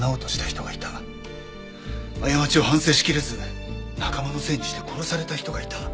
過ちを反省しきれず仲間のせいにして殺された人がいた。